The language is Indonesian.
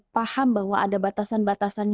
paham bahwa ada batasan batasannya